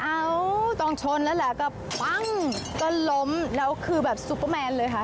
เอ้าต้องชนแล้วแหละก็ปั้งก็ล้มแล้วคือแบบซุปเปอร์แมนเลยค่ะ